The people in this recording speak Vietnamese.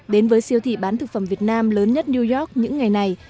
đến với siêu thị bán thực phẩm việt nam lớn nhất new york những ngày này